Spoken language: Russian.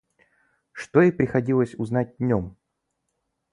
что ей приходилось узнать днем.